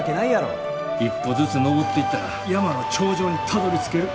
一歩ずつ登っていったら山の頂上にたどりつける。